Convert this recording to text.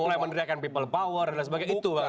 mulai menerjakan people power dan sebagainya